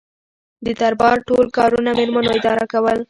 د دربار ټول کارونه میرمنو اداره کول.